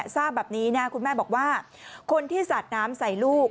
ทราบแบบนี้นะคุณแม่บอกว่าคนที่สาดน้ำใส่ลูก